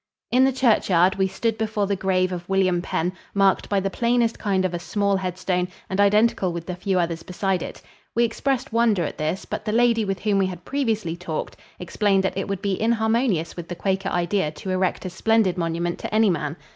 In the churchyard we stood before the grave of William Penn, marked by the plainest kind of a small headstone and identical with the few others beside it. We expressed wonder at this, but the lady with whom we had previously talked explained that it would be inharmonious with the Quaker idea to erect a splendid monument to any man.